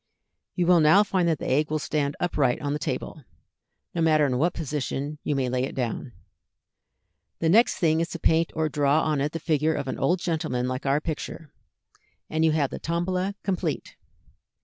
You will now find that the egg will stand upright on the table, no matter in what position you may lay it down. The next thing is to paint or draw on it the figure of an old gentleman like our picture, and you have the Tombola complete.